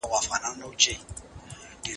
ښارپالنه د نوي ژوند یوه برخه سوه.